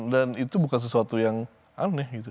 dan itu bukan sesuatu yang aneh gitu